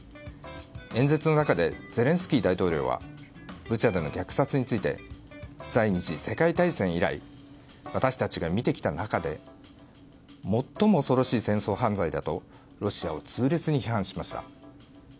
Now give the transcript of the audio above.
演説の中でゼレンスキー大統領はブチャでの虐殺について第２次世界大戦以来私たちが見てきた中で最も恐ろしい戦争犯罪だとロシアを痛烈に批判しました。